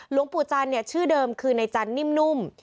หลวงปู่จันทร์ชื่อเดิมคือในจันนิ่มนุ่ม